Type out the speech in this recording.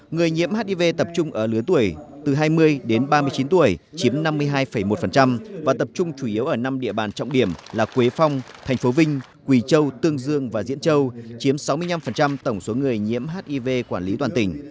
người nhiễm hiv tập trung ở lứa tuổi từ hai mươi đến ba mươi chín tuổi chiếm năm mươi hai một và tập trung chủ yếu ở năm địa bàn trọng điểm là quế phong thành phố vinh quỳ châu tương dương và diễn châu chiếm sáu mươi năm tổng số người nhiễm hiv quản lý toàn tỉnh